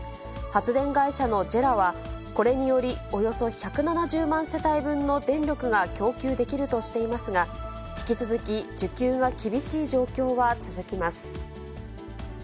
発電会社のジェラは、これにより、およそ１７０万世帯分の電力が供給できるとしていますが、引き続き需給が厳しい状況は続きます。